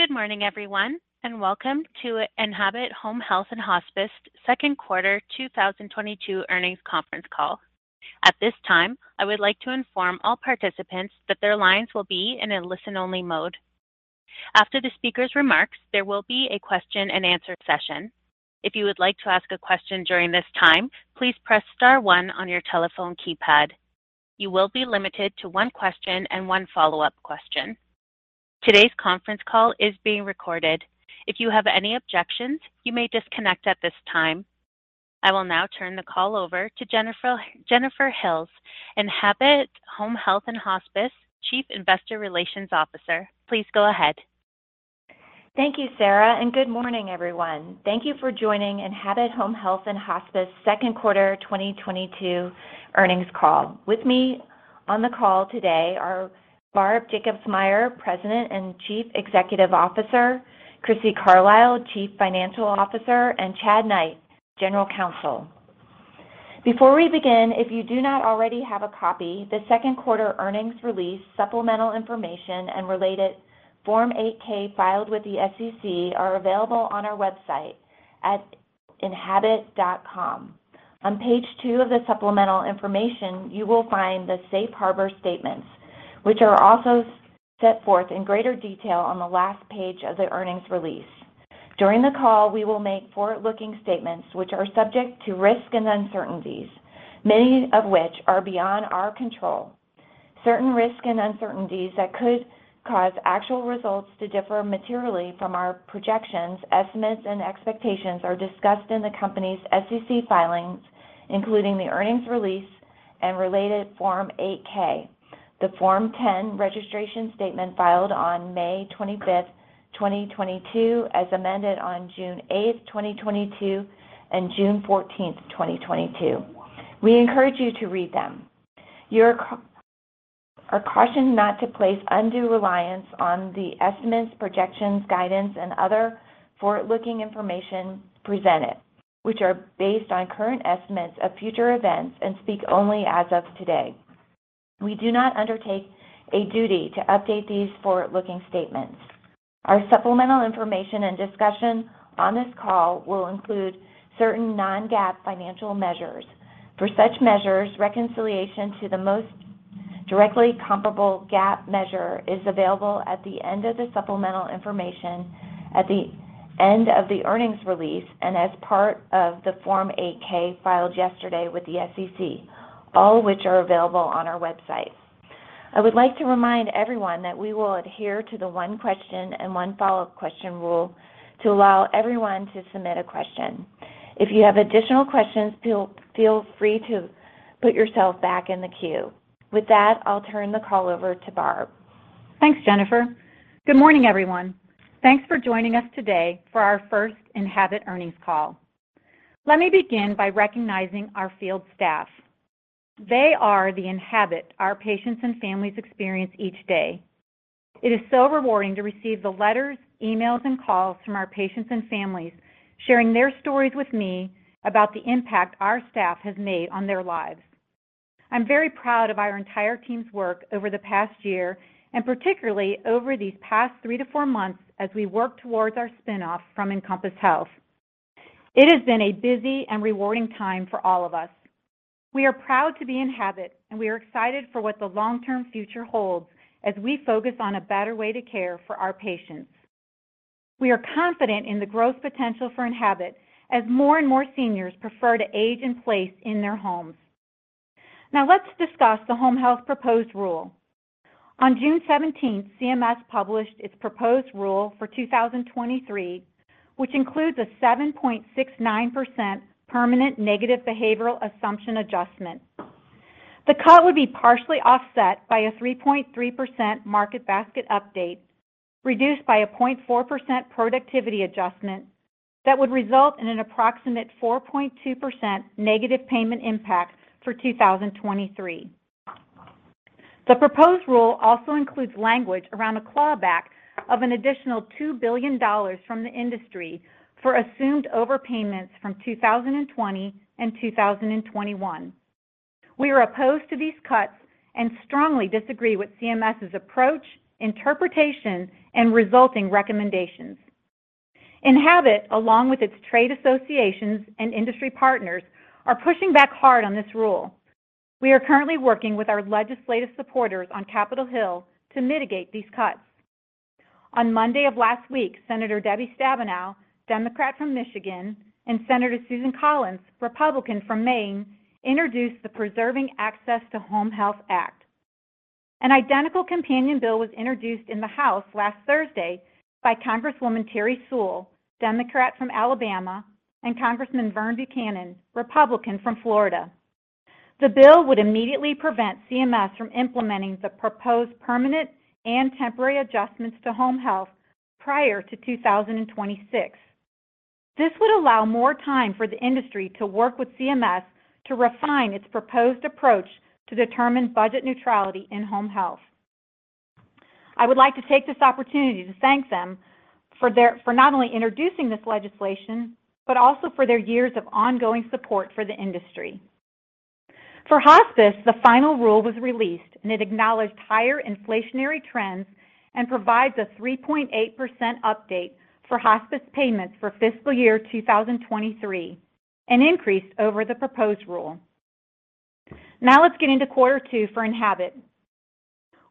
Good morning, everyone, and welcome to Enhabit Home Health & Hospice Second Quarter 2022 Earnings Conference Call. At this time, I would like to inform all participants that their lines will be in a listen-only mode. After the speaker's remarks, there will be a question-and-answer session. If you would like to ask a question during this time, please press star one on your telephone keypad. You will be limited to one question and one follow-up question. Today's conference call is being recorded. If you have any objections, you may disconnect at this time. I will now turn the call over to Jennifer Hills, Enhabit Home Health & Hospice Chief Investor Relations Officer. Please go ahead. Thank you, Sarah, and good morning, everyone. Thank you for joining Enhabit Home Health & Hospice Second Quarter 2022 Earnings Call. With me on the call today are Barb Jacobsmeyer, President and Chief Executive Officer, Crissy Carlisle, Chief Financial Officer, and Chad Knight, General Counsel. Before we begin, if you do not already have a copy, the second quarter earnings release, supplemental information, and related Form 8-K filed with the SEC are available on our website at enhabit.com. On page two of the supplemental information, you will find the safe harbor statements, which are also set forth in greater detail on the last page of the earnings release. During the call, we will make forward-looking statements which are subject to risks and uncertainties, many of which are beyond our control. Certain risks and uncertainties that could cause actual results to differ materially from our projections, estimates, and expectations are discussed in the company's SEC filings, including the earnings release and related Form 8-K, the Form 10 registration statement filed on May 25th, 2022, as amended on June 8th, 2022, and June 14th, 2022. We encourage you to read them. You are cautioned not to place undue reliance on the estimates, projections, guidance, and other forward-looking information presented, which are based on current estimates of future events and speak only as of today. We do not undertake a duty to update these forward-looking statements. Our supplemental information and discussion on this call will include certain non-GAAP financial measures. For such measures, reconciliation to the most directly comparable GAAP measure is available at the end of the supplemental information, at the end of the earnings release, and as part of the Form 8-K filed yesterday with the SEC, all which are available on our website. I would like to remind everyone that we will adhere to the one question and one follow-up question rule to allow everyone to submit a question. If you have additional questions, feel free to put yourself back in the queue. With that, I'll turn the call over to Barb. Thanks, Jennifer. Good morning, everyone. Thanks for joining us today for our first Enhabit earnings call. Let me begin by recognizing our field staff. They are the Enhabit our patients and families experience each day. It is so rewarding to receive the letters, emails, and calls from our patients and families sharing their stories with me about the impact our staff has made on their lives. I'm very proud of our entire team's work over the past year, and particularly over these past three to four months as we work towards our spin-off from Encompass Health. It has been a busy and rewarding time for all of us. We are proud to be Enhabit, and we are excited for what the long-term future holds as we focus on a better way to care for our patients. We are confident in the growth potential for Enhabit as more and more seniors prefer to age in place in their homes. Now let's discuss the Home Health proposed rule. On June seventeenth, CMS published its proposed rule for 2023, which includes a 7.69% permanent negative behavioral assumption adjustment. The cut would be partially offset by a 3.3% market basket update, reduced by a 0.4% productivity adjustment that would result in an approximate 4.2% negative payment impact for 2023. The proposed rule also includes language around a clawback of an additional $2 billion from the industry for assumed overpayments from 2020 and 2021. We are opposed to these cuts and strongly disagree with CMS's approach, interpretation, and resulting recommendations. Enhabit, along with its trade associations and industry partners, are pushing back hard on this rule. We are currently working with our legislative supporters on Capitol Hill to mitigate these cuts. On Monday of last week, Senator Debbie Stabenow, Democrat from Michigan, and Senator Susan Collins, Republican from Maine, introduced the Preserving Access to Home Health Act. An identical companion bill was introduced in the House last Thursday by Congresswoman Terri Sewell, Democrat from Alabama, and Congressman Vern Buchanan, Republican from Florida. The bill would immediately prevent CMS from implementing the proposed permanent and temporary adjustments to Home Health prior to 2026. This would allow more time for the industry to work with CMS to refine its proposed approach to determine budget neutrality in Home Health. I would like to take this opportunity to thank them for not only introducing this legislation, but also for their years of ongoing support for the industry. For Hospice, the final rule was released, and it acknowledged higher inflationary trends and provides a 3.8% update for Hospice payments for fiscal year 2023, an increase over the proposed rule. Now let's get into quarter two for Enhabit.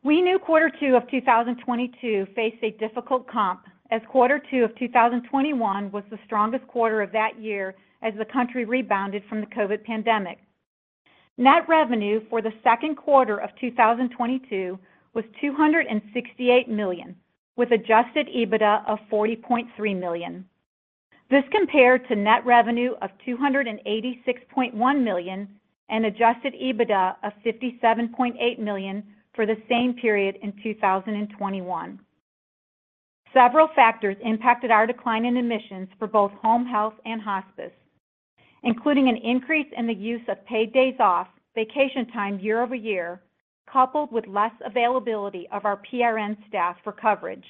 We knew quarter two of 2022 faced a difficult comp as quarter two of 2021 was the strongest quarter of that year as the country rebounded from the COVID pandemic. Net revenue for the second quarter of 2022 was $268 million, with adjusted EBITDA of $40.3 million. This compared to net revenue of $286.1 million and adjusted EBITDA of $57.8 million for the same period in 2021. Several factors impacted our decline in admissions for both Home Health and Hospice, including an increase in the use of paid days off, vacation time year-over-year, coupled with less availability of our PRN staff for coverage.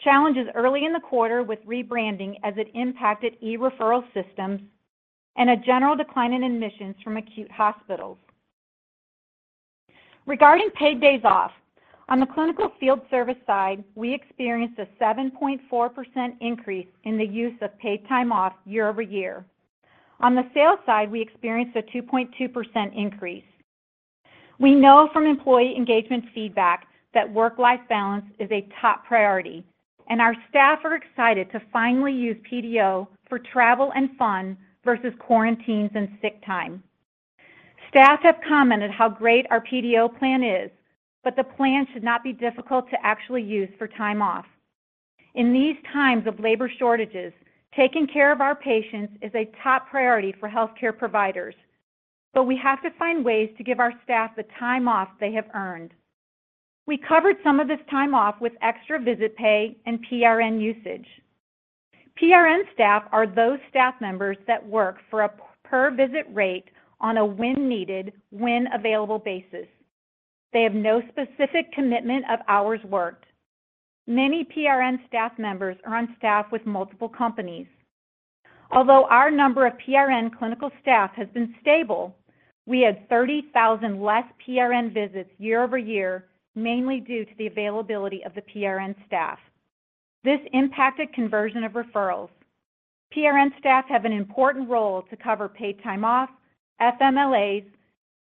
Challenges early in the quarter with rebranding as it impacted e-referral systems and a general decline in admissions from acute hospitals. Regarding paid days off, on the clinical field service side, we experienced a 7.4% increase in the use of paid time off year-over-year. On the sales side, we experienced a 2.2% increase. We know from employee engagement feedback that work-life balance is a top priority, and our staff are excited to finally use PDO for travel and fun versus quarantines and sick time. Staff have commented how great our PDO plan is, but the plan should not be difficult to actually use for time off. In these times of labor shortages, taking care of our patients is a top priority for healthcare providers, but we have to find ways to give our staff the time off they have earned. We covered some of this time off with extra visit pay and PRN usage. PRN staff are those staff members that work for a per visit rate on a when needed, when available basis. They have no specific commitment of hours worked. Many PRN staff members are on staff with multiple companies. Although our number of PRN clinical staff has been stable, we had 30,000 less PRN visits year-over-year, mainly due to the availability of the PRN staff. This impacted conversion of referrals. PRN staff have an important role to cover paid time off, FMLAs,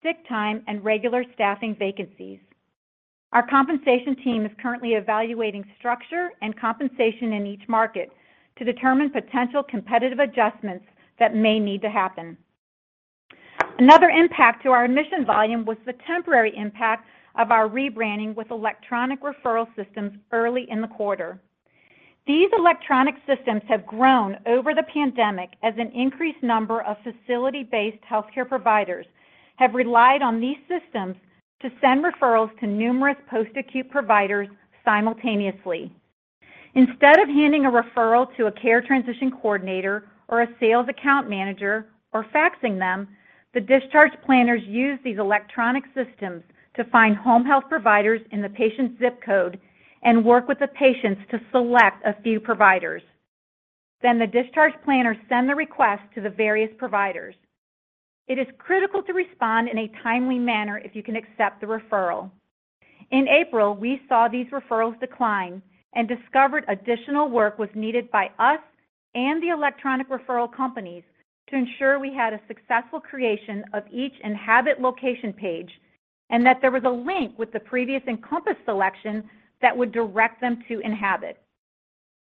sick time, and regular staffing vacancies. Our compensation team is currently evaluating structure and compensation in each market to determine potential competitive adjustments that may need to happen. Another impact to our admission volume was the temporary impact of our rebranding with electronic referral systems early in the quarter. These electronic systems have grown over the pandemic as an increased number of facility-based healthcare providers have relied on these systems to send referrals to numerous post-acute providers simultaneously. Instead of handing a referral to a care transition coordinator or a sales account manager or faxing them, the discharge planners use these electronic systems to find home health providers in the patient's zip code and work with the patients to select a few providers. The discharge planners send the request to the various providers. It is critical to respond in a timely manner if you can accept the referral. In April, we saw these referrals decline and discovered additional work was needed by us and the electronic referral companies to ensure we had a successful creation of each Enhabit location page and that there was a link with the previous Encompass selection that would direct them to Enhabit.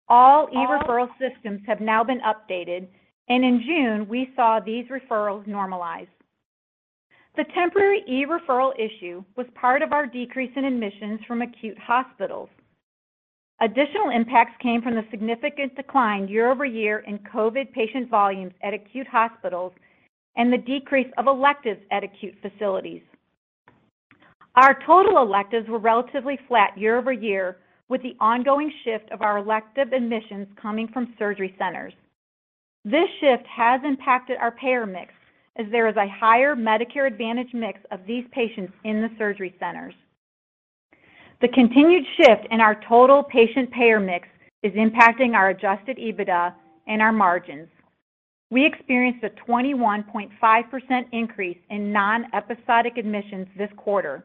All e-referral systems have now been updated, and in June, we saw these referrals normalize. The temporary e-referral issue was part of our decrease in admissions from acute hospitals. Additional impacts came from the significant decline year-over-year in COVID patient volumes at acute hospitals and the decrease of electives at acute facilities. Our total electives were relatively flat year-over-year with the ongoing shift of our elective admissions coming from surgery centers. This shift has impacted our payer mix as there is a higher Medicare Advantage mix of these patients in the surgery centers. The continued shift in our total patient payer mix is impacting our adjusted EBITDA and our margins. We experienced a 21.5% increase in non-episodic admissions this quarter.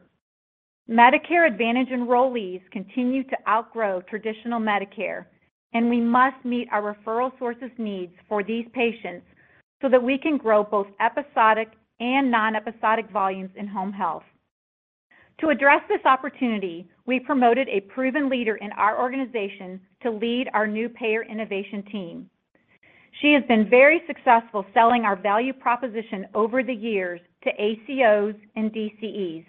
Medicare Advantage enrollees continue to outgrow traditional Medicare, and we must meet our referral sources needs for these patients so that we can grow both episodic and non-episodic volumes in Home Health. To address this opportunity, we promoted a proven leader in our organization to lead our new payer innovation team. She has been very successful selling our value proposition over the years to ACOs and DCEs.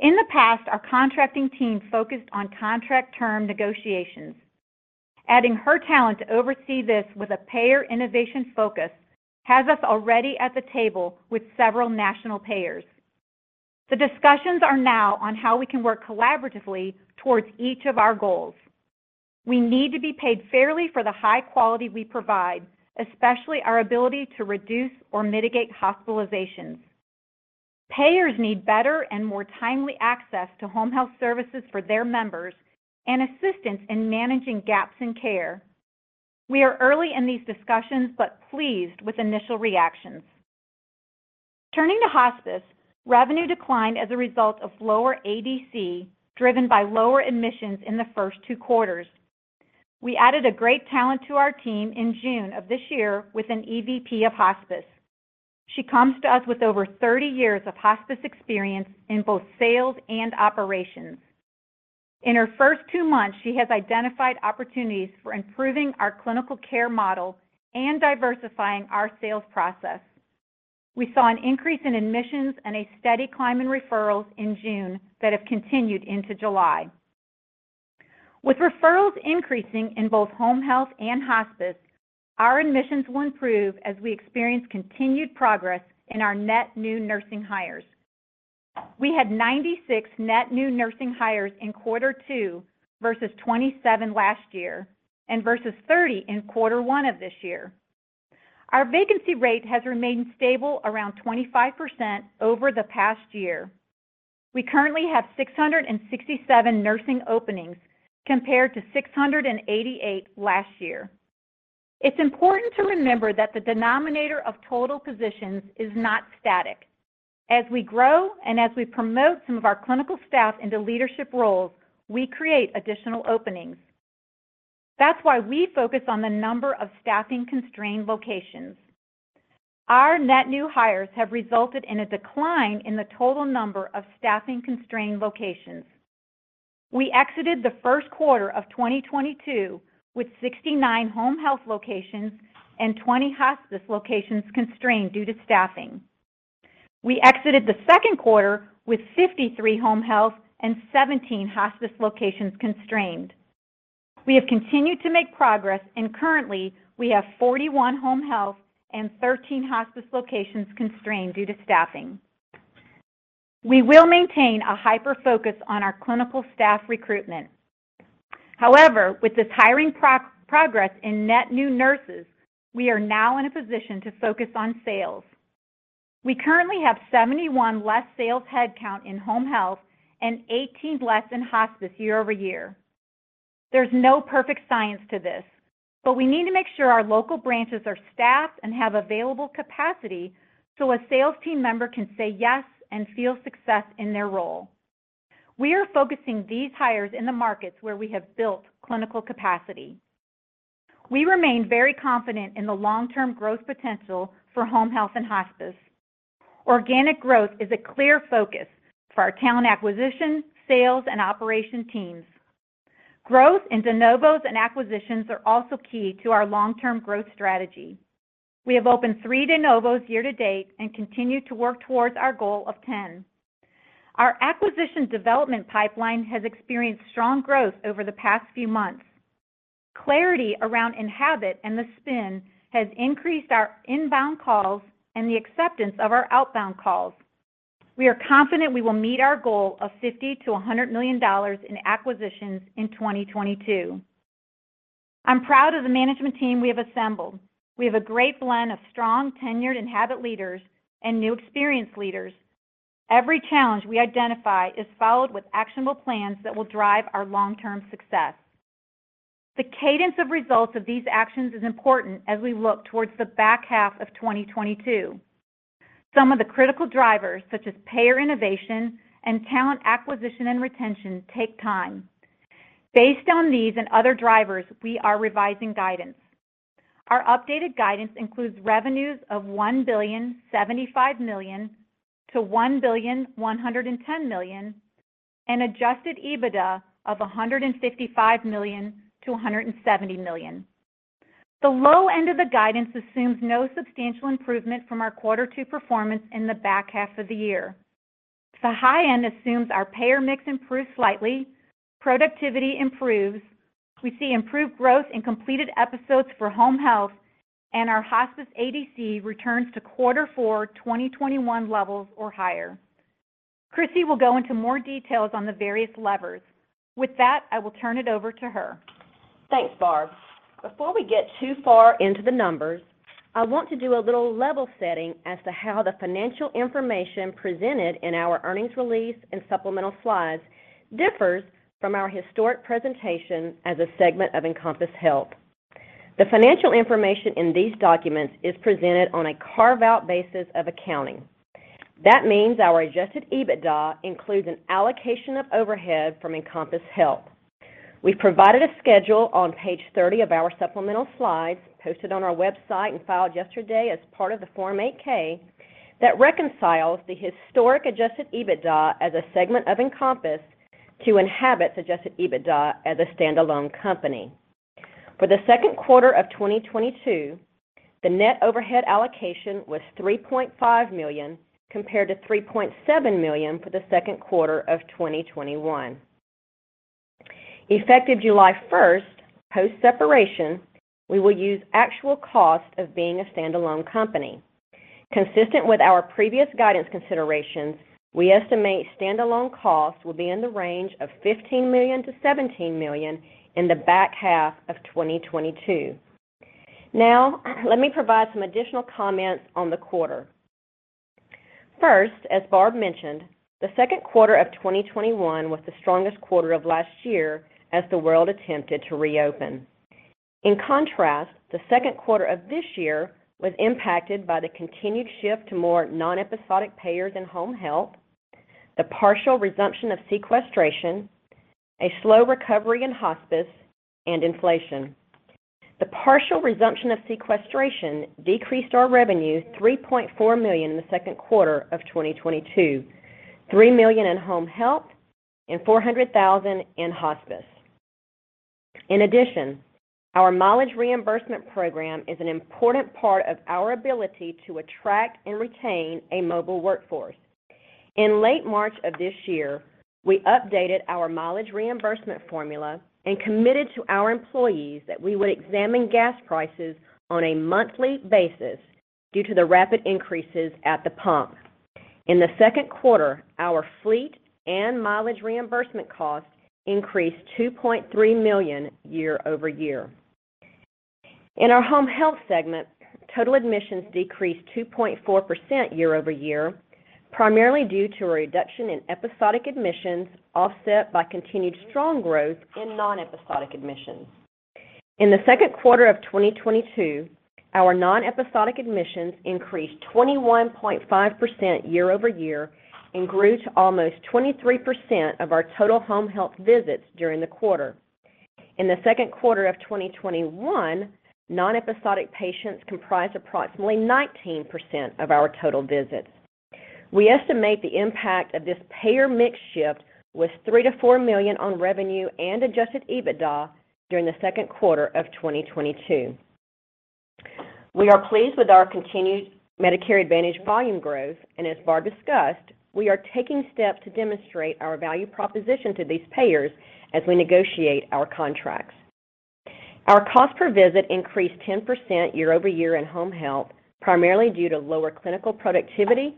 In the past, our contracting team focused on contract term negotiations. Adding her talent to oversee this with a payer innovation focus has us already at the table with several national payers. The discussions are now on how we can work collaboratively towards each of our goals. We need to be paid fairly for the high quality we provide, especially our ability to reduce or mitigate hospitalizations. Payers need better and more timely access to home health services for their members and assistance in managing gaps in care. We are early in these discussions but pleased with initial reactions. Turning to Hospice, revenue declined as a result of lower ADC driven by lower admissions in the first two quarters. We added a great talent to our team in June of this year with an EVP of Hospice. She comes to us with over 30 years of hospice experience in both sales and operations. In her first two months, she has identified opportunities for improving our clinical care model and diversifying our sales process. We saw an increase in admissions and a steady climb in referrals in June that have continued into July. With referrals increasing in both Home Health and Hospice, our admissions will improve as we experience continued progress in our net new nursing hires. We had 96 net new nursing hires in quarter two versus 27 last year and versus 30 in quarter one of this year. Our vacancy rate has remained stable around 25% over the past year. We currently have 667 nursing openings compared to 688 last year. It's important to remember that the denominator of total positions is not static. As we grow and as we promote some of our clinical staff into leadership roles, we create additional openings. That's why we focus on the number of staffing-constrained locations. Our net new hires have resulted in a decline in the total number of staffing-constrained locations. We exited the first quarter of 2022 with 69 home health locations and 20 hospice locations constrained due to staffing. We exited the second quarter with 53 home health and 17 hospice locations constrained. We have continued to make progress, and currently, we have 41 home health and 13 hospice locations constrained due to staffing. We will maintain a hyper-focus on our clinical staff recruitment. However, with this hiring progress in net new nurses, we are now in a position to focus on sales. We currently have 71 less sales headcount in Home Health and 18 less in Hospice year-over-year. There's no perfect science to this, but we need to make sure our local branches are staffed and have available capacity so a sales team member can say yes and feel success in their role. We are focusing these hires in the markets where we have built clinical capacity. We remain very confident in the long-term growth potential for Home Health and Hospice. Organic growth is a clear focus for our talent acquisition, sales, and operation teams. Growth in de novos and acquisitions are also key to our long-term growth strategy. We have opened three de novos year to date and continue to work towards our goal of 10. Our acquisition development pipeline has experienced strong growth over the past few months. Clarity around Enhabit and the spin has increased our inbound calls and the acceptance of our outbound calls. We are confident we will meet our goal of $50 milion-$100 million in acquisitions in 2022. I'm proud of the management team we have assembled. We have a great blend of strong tenured Enhabit leaders and new experienced leaders. Every challenge we identify is followed with actionable plans that will drive our long-term success. The cadence of results of these actions is important as we look towards the back half of 2022. Some of the critical drivers, such as payer innovation and talent acquisition and retention, take time. Based on these and other drivers, we are revising guidance. Our updated guidance includes revenues of $1.075 billion-$1.11 billion and adjusted EBITDA of $155 million-$170 million. The low end of the guidance assumes no substantial improvement from our quarter two performance in the back half of the year. The high end assumes our payer mix improves slightly, productivity improves, we see improved growth in completed episodes for Home Health, and our Hospice ADC returns to quarter four 2021 levels or higher. Crissy will go into more details on the various levers. With that, I will turn it over to her. Thanks, Barb. Before we get too far into the numbers, I want to do a little level setting as to how the financial information presented in our earnings release and supplemental slides differs from our historic presentation as a segment of Encompass Health. The financial information in these documents is presented on a carve-out basis of accounting. That means our adjusted EBITDA includes an allocation of overhead from Encompass Health. We've provided a schedule on page 30 of our supplemental slides, posted on our website and filed yesterday as part of the Form 8-K, that reconciles the historic adjusted EBITDA as a segment of Encompass to Enhabit's adjusted EBITDA as a standalone company. For the second quarter of 2022, the net overhead allocation was $3.5 million compared to $3.7 million for the second quarter of 2021. Effective July 1st, post-separation, we will use actual cost of being a standalone company. Consistent with our previous guidance considerations, we estimate standalone costs will be in the range of $15 million-$17 million in the back half of 2022. Now, let me provide some additional comments on the quarter. First, as Barb mentioned, the second quarter of 2021 was the strongest quarter of last year as the world attempted to reopen. In contrast, the second quarter of this year was impacted by the continued shift to more non-episodic payers in home health, the partial resumption of sequestration, a slow recovery in Hospice, and inflation. The partial resumption of sequestration decreased our revenue $3.4 million in the second quarter of 2022, $3 million in Home Health, and $400,000 in Hospice. In addition, our mileage reimbursement program is an important part of our ability to attract and retain a mobile workforce. In late March of this year, we updated our mileage reimbursement formula and committed to our employees that we would examine gas prices on a monthly basis due to the rapid increases at the pump. In the second quarter, our fleet and mileage reimbursement costs increased $2.3 million year-over-year. In our Home Health segment, total admissions decreased 2.4% year-over-year, primarily due to a reduction in episodic admissions offset by continued strong growth in non-episodic admissions. In the second quarter of 2022, our non-episodic admissions increased 21.5% year-over-year and grew to almost 23% of our total home health visits during the quarter. In the second quarter of 2021, non-episodic patients comprised approximately 19% of our total visits. We estimate the impact of this payer mix shift was $3 million-$4 million on revenue and adjusted EBITDA during the second quarter of 2022. We are pleased with our continued Medicare Advantage volume growth, and as Barb discussed, we are taking steps to demonstrate our value proposition to these payers as we negotiate our contracts. Our cost per visit increased 10% year-over-year in Home Health, primarily due to lower clinical productivity,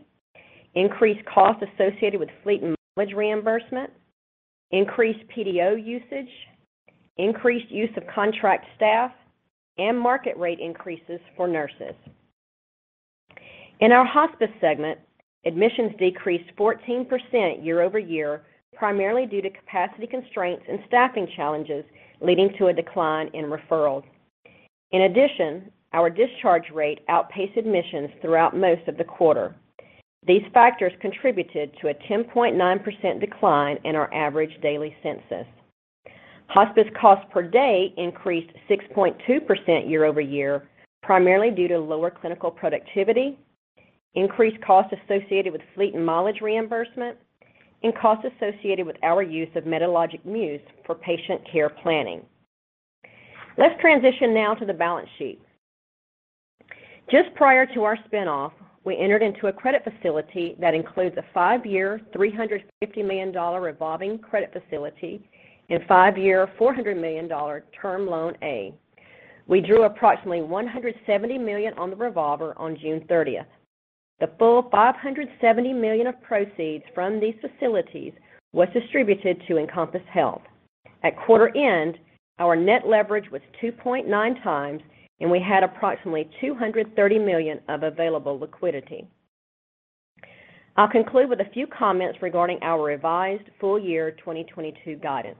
increased costs associated with fleet and mileage reimbursement, increased PDO usage, increased use of contract staff, and market rate increases for nurses. In our Hospice segment, admissions decreased 14% year-over-year, primarily due to capacity constraints and staffing challenges, leading to a decline in referrals. In addition, our discharge rate outpaced admissions throughout most of the quarter. These factors contributed to a 10.9% decline in our average daily census. Hospice cost per day increased 6.2% year-over-year, primarily due to lower clinical productivity, increased costs associated with fleet and mileage reimbursement, and costs associated with our use of Medalogix Muse for patient care planning. Let's transition now to the balance sheet. Just prior to our spin-off, we entered into a credit facility that includes a five-year $350 million revolving credit facility and five-year $400 million term loan A. We drew approximately $170 million on the revolver on June 30th. The full $570 million of proceeds from these facilities was distributed to Encompass Health. At quarter end, our net leverage was 2.9x, and we had approximately $230 million of available liquidity. I'll conclude with a few comments regarding our revised full year 2022 guidance.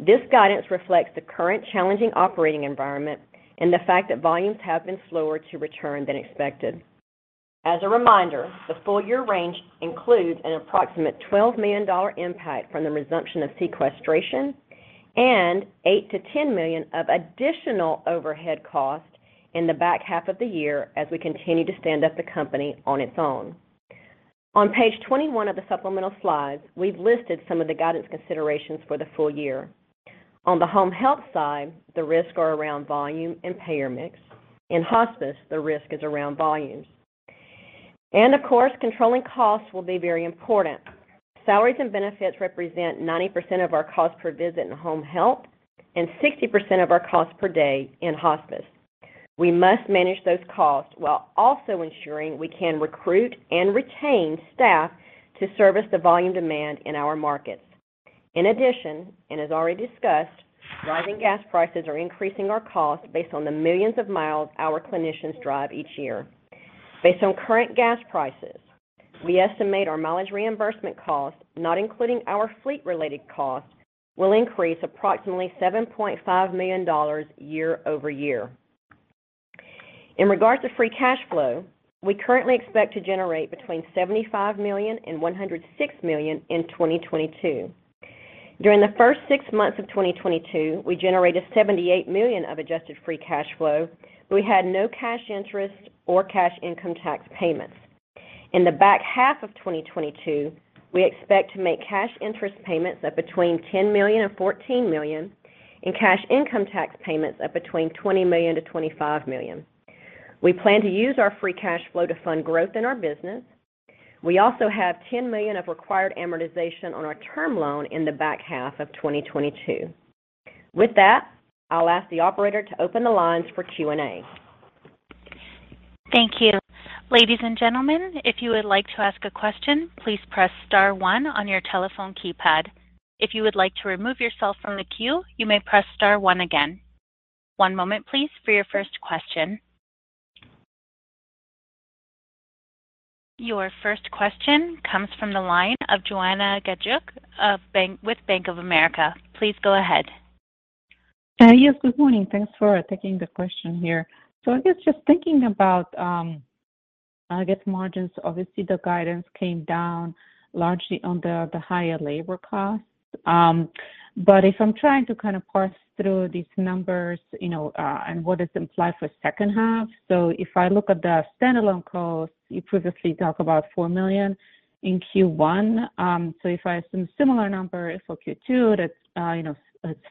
This guidance reflects the current challenging operating environment and the fact that volumes have been slower to return than expected. As a reminder, the full year range includes an approximate $12 million impact from the resumption of sequestration and $8 million-$10 million of additional overhead costs in the back half of the year as we continue to stand up the company on its own. On page 21 of the supplemental slides, we've listed some of the guidance considerations for the full year. On the Home Health side, the risks are around volume and payer mix. In Hospice, the risk is around volumes. Of course, controlling costs will be very important. Salaries and benefits represent 90% of our cost per visit in Home Health and 60% of our cost per day in Hospice. We must manage those costs while also ensuring we can recruit and retain staff to service the volume demand in our markets. In addition, and as already discussed, rising gas prices are increasing our costs based on the millions of miles our clinicians drive each year. Based on current gas prices, we estimate our mileage reimbursement costs, not including our fleet-related costs, will increase approximately $7.5 million year over year. In regards to free cash flow, we currently expect to generate between $75 million and $106 million in 2022. During the first six months of 2022, we generated $78 million of adjusted free cash flow. We had no cash interest or cash income tax payments. In the back half of 2022, we expect to make cash interest payments of between $10 million and $14 million and cash income tax payments of between $20 million to $25 million. We plan to use our free cash flow to fund growth in our business. We also have $10 million of required amortization on our term loan in the back half of 2022. With that, I'll ask the operator to open the lines for Q&A. Thank you. Ladies and gentlemen, if you would like to ask a question, please press star one on your telephone keypad. If you would like to remove yourself from the queue, you may press star one again. One moment, please, for your first question. Your first question comes from the line of Joanna Gajuk of Bank of America. Please go ahead. Yes, good morning. Thanks for taking the question here. I guess just thinking about margins, obviously the guidance came down largely on the higher labor costs. If I'm trying to kind of parse through these numbers, you know, and what is implied for second half. If I look at the standalone costs, you previously talk about $4 million in Q1. If I assume similar number for Q2, that's, you know,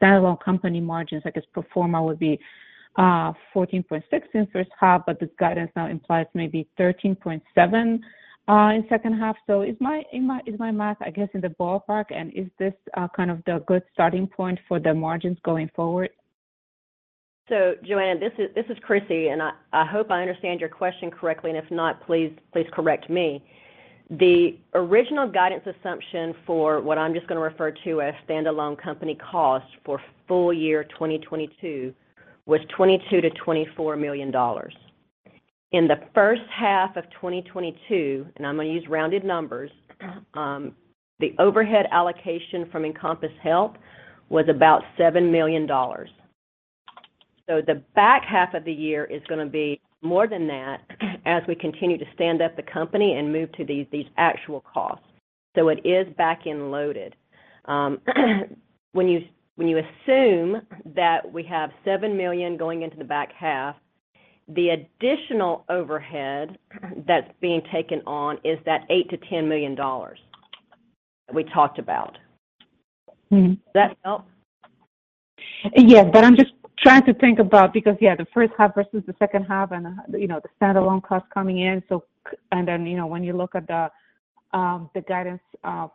standalone company margins, I guess pro forma would be 14.6% in first half, but this guidance now implies maybe 13.7% in second half. Is my math, I guess, in the ballpark? Is this kind of the good starting point for the margins going forward? Joanna, this is Crissy, and I hope I understand your question correctly, and if not, please correct me. The original guidance assumption for what I'm just gonna refer to as standalone company cost for full year 2022 was $22 million-$24 million. In the first half of 2022, and I'm gonna use rounded numbers, the overhead allocation from Encompass Health was about $7 million. The back half of the year is gonna be more than that as we continue to stand up the company and move to these actual costs. It is back-end loaded. When you assume that we have $7 million going into the back half, the additional overhead that's being taken on is that $8 million-$10 million we talked about. Mm-hmm. Does that help? Yeah. I'm just trying to think about because yeah the first half versus the second half and you know the standalone cost coming in. Then you know when you look at the guidance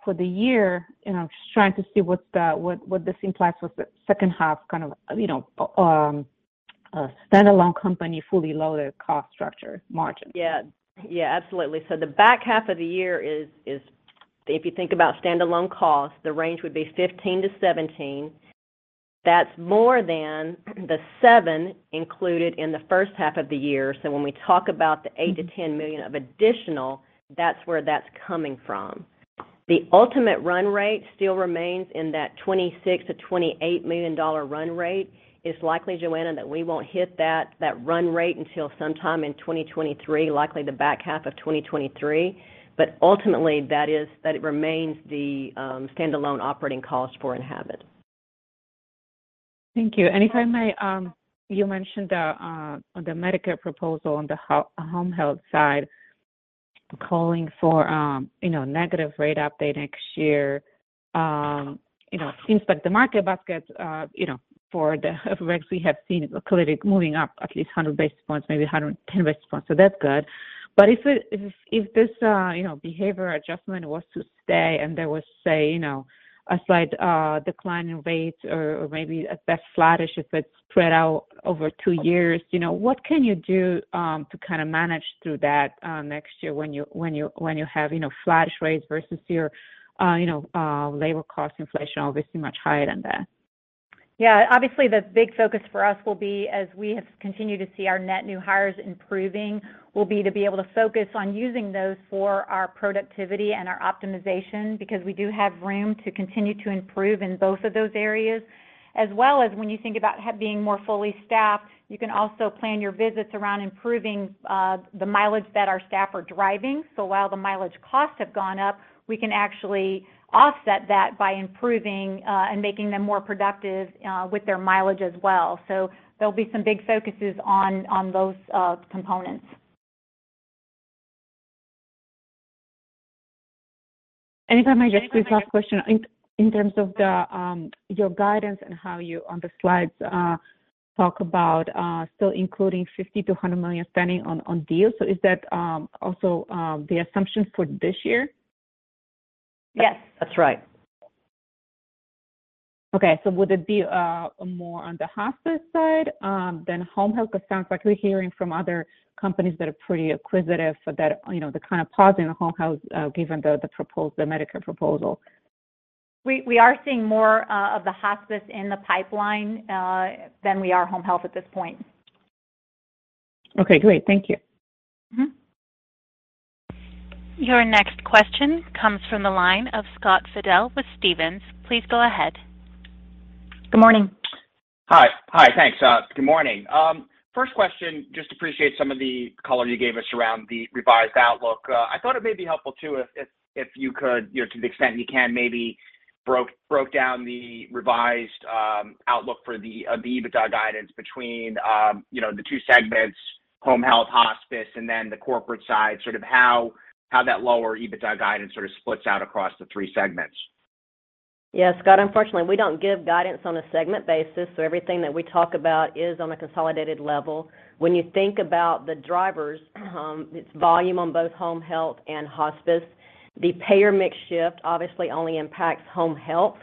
for the year and I'm just trying to see what this implies for the second half kind of you know standalone company fully loaded cost structure margin. Yeah. Yeah, absolutely. The back half of the year is if you think about standalone cost, the range would be $15 million-$17 million. That's more than the $7 million included in the first half of the year. When we talk about the $8 million-$10 million of additional, that's where that's coming from. The ultimate run rate still remains in that $26 million-$28 million run rate. It's likely, Joanna, that we won't hit that run rate until sometime in 2023, likely the back half of 2023. Ultimately, that it remains the standalone operating cost for Enhabit. Thank you. If I may, you mentioned the Medicare proposal on the Home Health side calling for, you know, negative rate update next year, you know, seems like the market baskets, you know, for the effects we have seen clearly moving up at least 100 basis points, maybe 110 basis points. That's good. If this behavioral adjustment was to stay and there was, say, you know, a slight decline in rates or maybe at best flattish if it's spread out over two years, you know, what can you do to kind of manage through that next year when you have, you know, flatish rates versus your, you know, labor cost inflation, obviously much higher than that? Yeah. Obviously, the big focus for us will be, as we have continued to see our net new hires improving, to be able to focus on using those for our productivity and our optimization because we do have room to continue to improve in both of those areas. As well as when you think about being more fully staffed, you can also plan your visits around improving the mileage that our staff are driving. So while the mileage costs have gone up, we can actually offset that by improving and making them more productive with their mileage as well. There'll be some big focuses on those components. If I may just please ask question in terms of your guidance and how you on the slides talk about still including $50 million-$100 million spending on deals. Is that also the assumptions for this year? Yes, that's right. Okay. Would it be more on the Hospice side than Home Health? It sounds like we're hearing from other companies that are pretty acquisitive for that, you know, they're kind of pausing the Home Health given the Medicare proposal. We are seeing more of the Hospice in the pipeline than we are Home Health at this point. Okay, great. Thank you. Mm-hmm. Your next question comes from the line of Scott Fidel with Stephens. Please go ahead. Good morning. Hi. Hi, thanks. Good morning. First question, just appreciate some of the color you gave us around the revised outlook. I thought it may be helpful too if you could, you know, to the extent you can, maybe break down the revised outlook for the EBITDA guidance between, you know, the two segments, Home Health, Hospice, and then the corporate side, sort of how that lower EBITDA guidance sort of splits out across the three segments. Yeah. Scott, unfortunately, we don't give guidance on a segment basis, so everything that we talk about is on a consolidated level. When you think about the drivers, it's volume on both Home Health and Hospice. The payer mix shift obviously only impacts Home Health.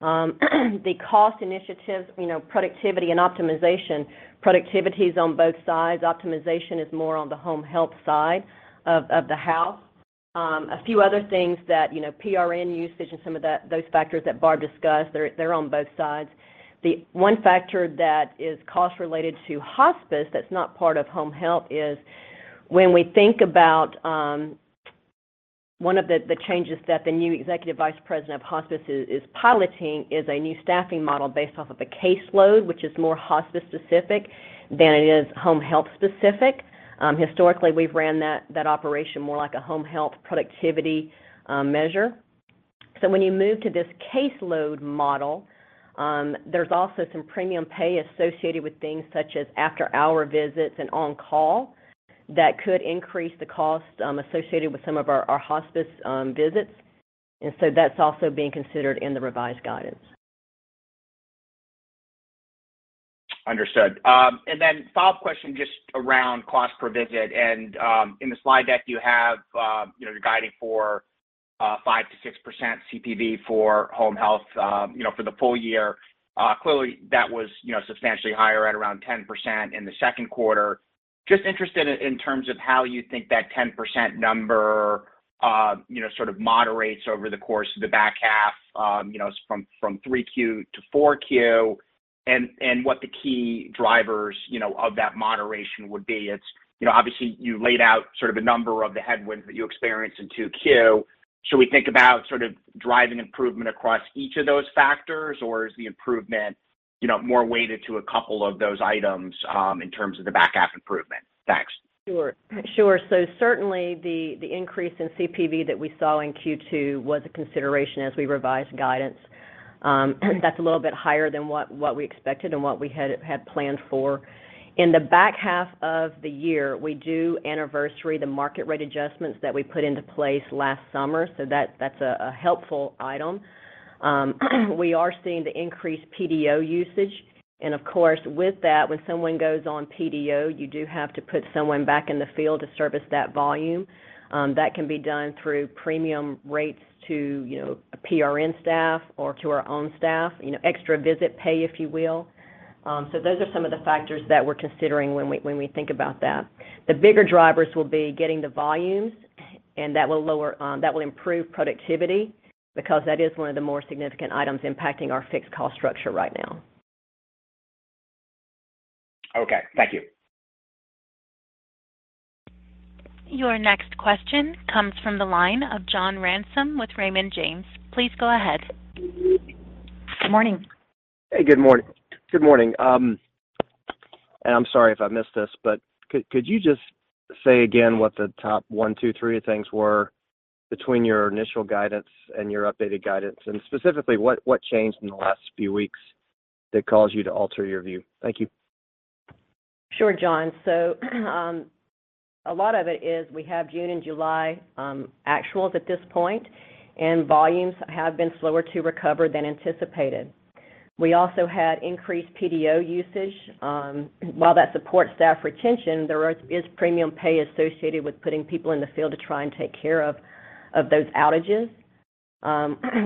The cost initiatives, you know, productivity and optimization. Productivity is on both sides. Optimization is more on the Home Health side of the house. A few other things that, you know, PRN usage and some of that, those factors that Barb discussed, they're on both sides. The one factor that is cost related to Hospice that's not part of Home Health is when we think about one of the changes that the new executive vice president of Hospice is piloting is a new staffing model based off of a caseload, which is more Hospice specific than it is Home Health specific. Historically, we've ran that operation more like a home health productivity measure. When you move to this caseload model, there's also some premium pay associated with things such as after-hour visits and on call that could increase the cost associated with some of our Hospice visits. That's also being considered in the revised guidance. Understood. Follow-up question just around cost per visit, and, in the slide deck you have, you know, you're guiding for 5%-6% CPV for Home Health, you know, for the full year. Clearly that was, you know, substantially higher at around 10% in the second quarter. Just interested in terms of how you think that 10% number, you know, sort of moderates over the course of the back half, you know, from 3Q to 4Q, and what the key drivers, you know, of that moderation would be. It's, you know, obviously you laid out sort of a number of the headwinds that you experienced in 2Q. Should we think about sort of driving improvement across each of those factors, or is the improvement, you know, more weighted to a couple of those items, in terms of the back half improvement? Thanks. Sure. Certainly the increase in CPV that we saw in Q2 was a consideration as we revised guidance. That's a little bit higher than what we expected and what we had planned for. In the back half of the year, we do anniversary the market rate adjustments that we put into place last summer, so that's a helpful item. We are seeing the increased PDO usage and of course, with that, when someone goes on PDO, you do have to put someone back in the field to service that volume. That can be done through premium rates to, you know, a PRN staff or to our own staff, you know, extra visit pay, if you will. Those are some of the factors that we're considering when we think about that. The bigger drivers will be getting the volumes and that will improve productivity because that is one of the more significant items impacting our fixed cost structure right now. Okay. Thank you. Your next question comes from the line of John Ransom with Raymond James. Please go ahead. Good morning. Hey, good morning. Good morning. I'm sorry if I missed this, but could you just say again what the top one, two, three things were between your initial guidance and your updated guidance? Specifically, what changed in the last few weeks that caused you to alter your view? Thank you. Sure, Jon. A lot of it is we have June and July actuals at this point, and volumes have been slower to recover than anticipated. We also had increased PDO usage. While that supports staff retention, is premium pay associated with putting people in the field to try and take care of those outages.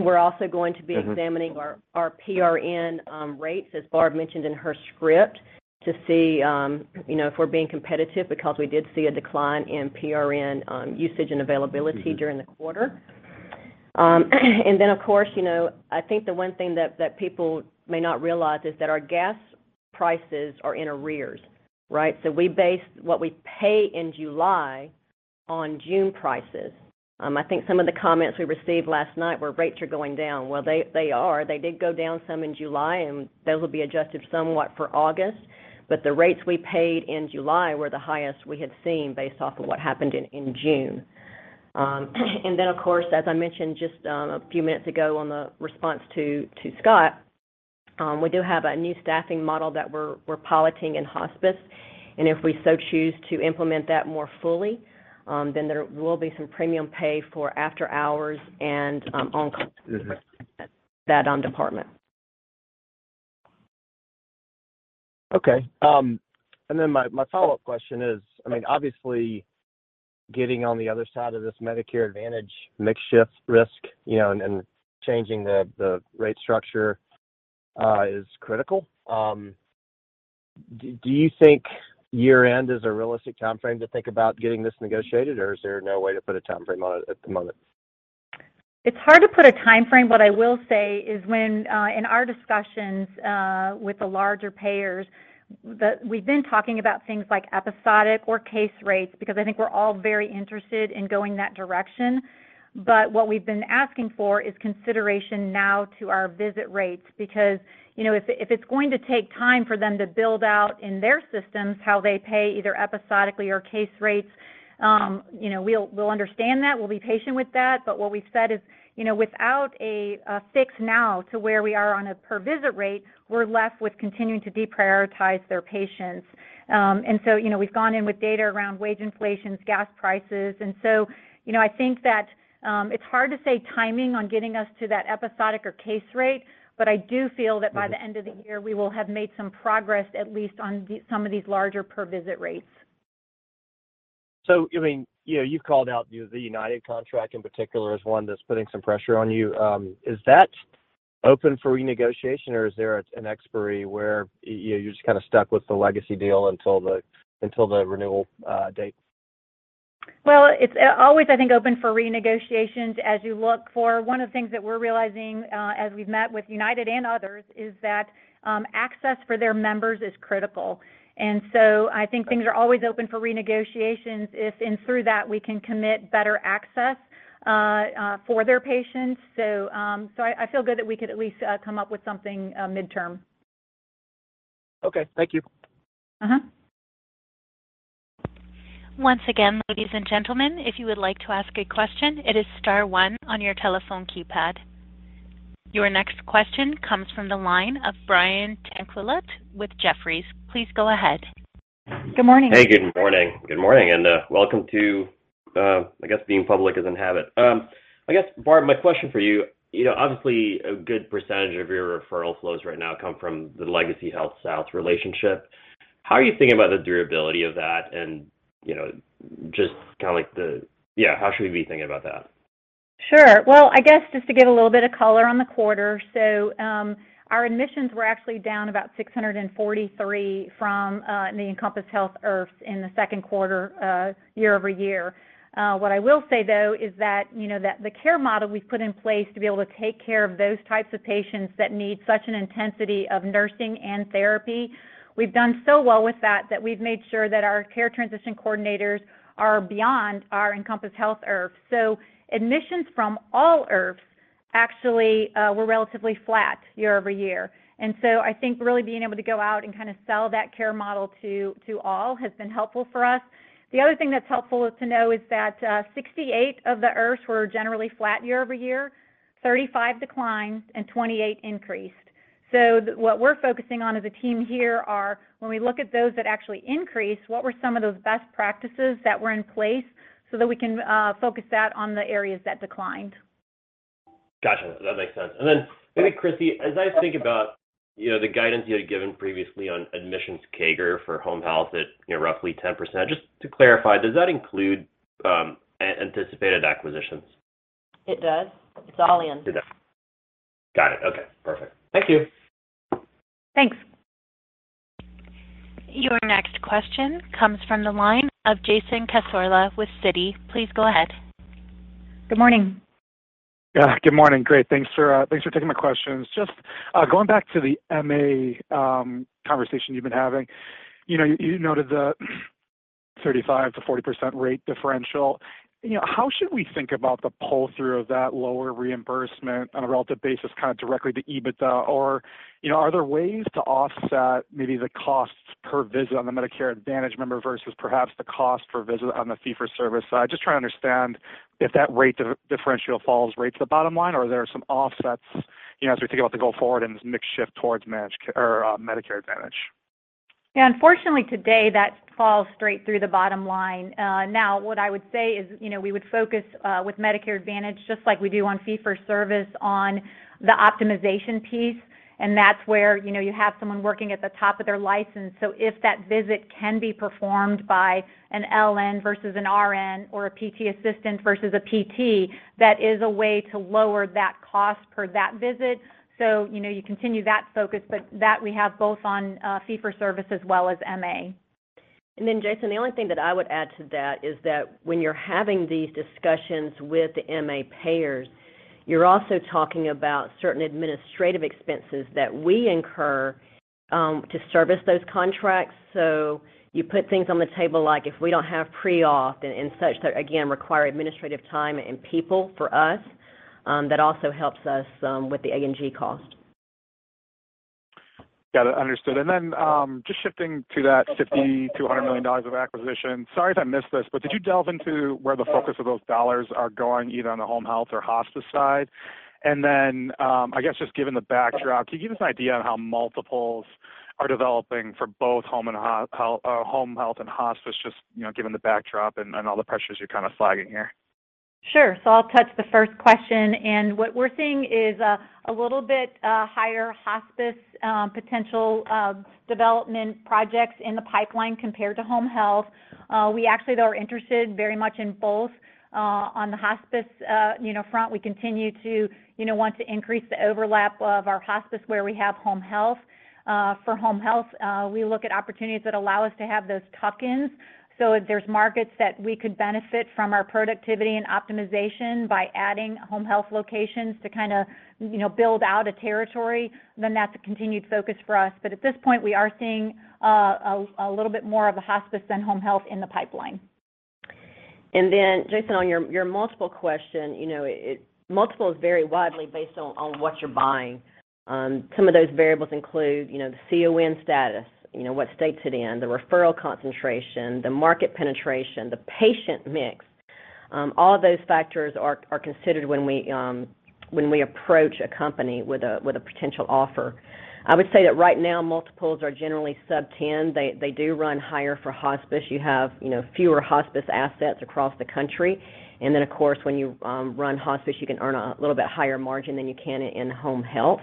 We're also going to be examining our PRN rates, as Barb mentioned in her script, to see you know if we're being competitive because we did see a decline in PRN usage and availability during the quarter. Then of course, you know, I think the one thing that people may not realize is that our gas prices are in arrears, right. We base what we pay in July on June prices. I think some of the comments we received last night were rates are going down. Well, they are. They did go down some in July, and those will be adjusted somewhat for August. The rates we paid in July were the highest we had seen based off of what happened in June. Then of course, as I mentioned just a few minutes ago in the response to Scott, we do have a new staffing model that we're piloting in Hospice. If we so choose to implement that more fully, then there will be some premium pay for after hours and on call. Mm-hmm. that, department. Okay. My follow-up question is, I mean, obviously getting on the other side of this Medicare Advantage mix shift risk, you know, and changing the rate structure is critical. Do you think year-end is a realistic timeframe to think about getting this negotiated, or is there no way to put a timeframe on it at the moment? It's hard to put a timeframe. What I will say is when in our discussions with the larger payers, we've been talking about things like episodic or case rates because I think we're all very interested in going that direction. But what we've been asking for is consideration now to our visit rates, because you know, if it's going to take time for them to build out in their systems how they pay either episodically or case rates, you know, we'll understand that, we'll be patient with that. But what we've said is, you know, without a fix now to where we are on a per visit rate, we're left with continuing to deprioritize their patients. You know, we've gone in with data around wage inflations, gas prices, and so, you know, I think that it's hard to say timing on getting us to that episodic or case rate, but I do feel that by the end of the year, we will have made some progress, at least on some of these larger per visit rates. I mean, you know, you've called out the UnitedHealthcare contract in particular as one that's putting some pressure on you. Is that?pen for renegotiation or is there an expiry where you're just kinda stuck with the Legacy deal until the renewal date? Well, it's always, I think, open for renegotiations. One of the things that we're realizing as we've met with UnitedHealthcare and others is that access for their members is critical. I think things are always open for renegotiations if and through that, we can commit better access for their patients. I feel good that we could at least come up with something midterm. Okay. Thank you. Mm-hmm. Once again, ladies and gentlemen, if you would like to ask a question, it is star one on your telephone keypad. Your next question comes from the line of Brian Tanquilut with Jefferies. Please go ahead. Good morning. Hey, good morning. Good morning, and welcome to, I guess, being public as Enhabit. I guess, Barb, my question for you know, obviously, a good percentage of your referral flows right now come from the legacy HealthSouth relationship. How are you thinking about the durability of that and, you know, just kinda like, yeah, how should we be thinking about that? Sure. Well, I guess just to give a little bit of color on the quarter. Our admissions were actually down about 643 from the Encompass Health IRFs in the second quarter, year-over-year. What I will say, though, is that, you know, that the care model we've put in place to be able to take care of those types of patients that need such an intensity of nursing and therapy, we've done so well with that we've made sure that our care transition coordinators are beyond our Encompass Health IRF. Admissions from all IRFs actually were relatively flat year-over-year. I think really being able to go out and kinda sell that care model to all has been helpful for us. The other thing that's helpful is to know is that, 68 of the IRFs were generally flat year-over-year, 35 declined, and 28 increased. What we're focusing on as a team here are when we look at those that actually increased, what were some of those best practices that were in place so that we can focus that on the areas that declined. Gotcha. That makes sense. Maybe, Crissy, as I think about, you know, the guidance you had given previously on admissions CAGR for Home Health at, you know, roughly 10%, just to clarify, does that include anticipated acquisitions? It does. It's all in. It does. Got it. Okay. Perfect. Thank you. Thanks. Your next question comes from the line of Jason Cassorla with Citi. Please go ahead. Good morning. Yeah, good morning. Great. Thanks for taking my questions. Just going back to the MA conversation you've been having. You know, you noted the 35%-40% rate differential. You know, how should we think about the pull-through of that lower reimbursement on a relative basis, kind of directly to EBITDA? Or, you know, are there ways to offset maybe the costs per visit on the Medicare Advantage member versus perhaps the cost per visit on the fee-for-service side? Just trying to understand if that rate differential falls right to the bottom line, or are there some offsets, you know, as we think about the going forward and this mix shift towards managed care or Medicare Advantage. Unfortunately, today, that falls straight through the bottom line. Now, what I would say is, you know, we would focus with Medicare Advantage, just like we do on fee-for-service on the optimization piece, and that's where, you know, you have someone working at the top of their license. If that visit can be performed by an LPN versus an RN or a PT assistant versus a PT, that is a way to lower that cost per that visit. You know, you continue that focus, but that we have both on fee-for-service as well as MA. Jason, the only thing that I would add to that is that when you're having these discussions with the MA payers, you're also talking about certain administrative expenses that we incur to service those contracts. You put things on the table, like if we don't have pre-auth and such that again require administrative time and people for us, that also helps us with the A&G cost. Got it, understood. Then, just shifting to that $50 million-$100 million of acquisition. Sorry if I missed this, but did you delve into where the focus of those dollars are going either on the Home Health or Hospice side? Then, I guess just given the backdrop, can you give us an idea on how multiples are developing for both Home Health and Hospice, just, you know, given the backdrop and all the pressures you're kinda flagging here? Sure. I'll touch the first question. What we're seeing is a little bit higher Hospice potential development projects in the pipeline compared to Home Health. We actually are interested very much in both. On the Hospice, you know, front, we continue to you know want to increase the overlap of our Hospice where we have Home Health. For Home Health, we look at opportunities that allow us to have those tuck-ins. If there's markets that we could benefit from our productivity and optimization by adding Home Health locations to kinda you know build out a territory, then that's a continued focus for us. At this point, we are seeing a little bit more of a Hospice than Home Health in the pipeline. Jason, on your multiple question, you know, multiples vary widely based on what you're buying. Some of those variables include, you know, the CON status, you know, what state's it in, the referral concentration, the market penetration, the patient mix. All of those factors are considered when we approach a company with a potential offer. I would say that right now, multiples are generally sub-10. They do run higher for Hospice. You have, you know, fewer Hospice assets across the country. Of course, when you run hospice, you can earn a little bit higher margin than you can in Home Health.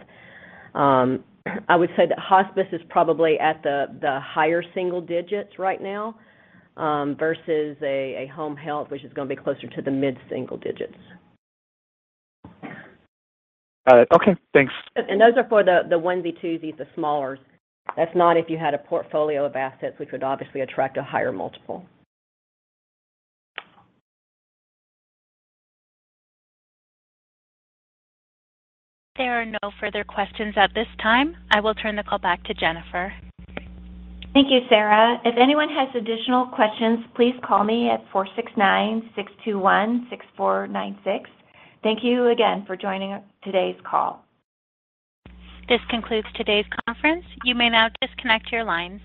I would say that Hospice is probably at the higher single digits right now, versus a Home Health, which is gonna be closer to the mid-single digits. Got it. Okay, thanks. Those are for the onesie-twosies, the smallers. That's not if you had a portfolio of assets, which would obviously attract a higher multiple. There are no further questions at this time. I will turn the call back to Jennifer. Thank you, Sarah. If anyone has additional questions, please call me at 469-621-6496. Thank you again for joining today's call. This concludes today's conference. You may now disconnect your lines.